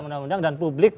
undang undang dan publik